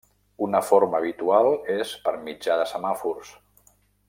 Una forma habitual és per mitjà de semàfors.